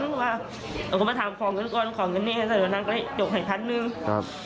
เราก็มาถามของกันก่อนของกันเนี่ยแล้วเราก็นั่งก็เลยโจ๊กให้ทันหนึ่ง